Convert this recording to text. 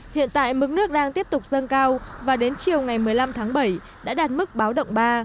hiện tại mức nước đang tiếp tục dâng cao và đến chiều ngày một mươi năm tháng bảy đã đạt mức báo động ba